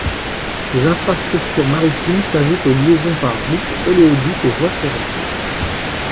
Ces infrastructures maritimes s'ajoutent aux liaisons par route, oléoduc et voie ferrée.